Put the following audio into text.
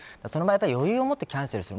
余裕をもってキャンセルする。